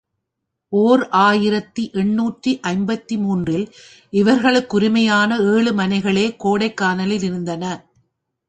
ஓர் ஆயிரத்து எண்ணூற்று ஐம்பத்து மூன்று இல் இவர்களுக்குரிமையான ஏழுமனைகளே கோடைக்கானலிலிருந்தன.